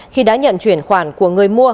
khi đã nhận chuyển khoản của người mua